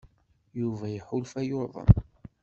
Yuba iḥulfa yuḍen.